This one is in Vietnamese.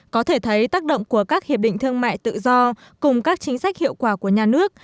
có thể thấy tác động của các hiệp định thương mại tự do cùng các chính sách hiệu quả của nhà nước